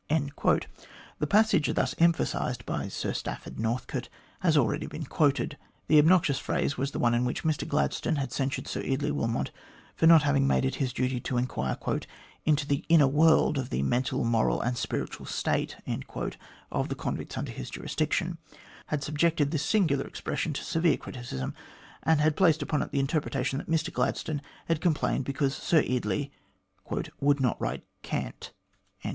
The passage thus emphasised by Sir Stafford Northcote has already been quoted. The obnoxious phrase was the one in which Mr Gladstone had censured Sir Eardley Wilmot for not having made it his duty to inquire " into the inner world of the mental, moral, and spiritual state " of the convicts under his jurisdiction. A number of the leading organs of English opinion had subjected this singular expression to severe criticism, and had placed upon it the interpretation that Mr Gladstone had complained because Sir Eardley "would not write cant."